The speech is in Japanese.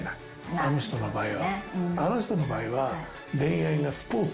あの人の場合は。